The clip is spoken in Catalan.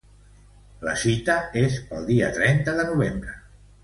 La cita és pel dia trenta de novembre.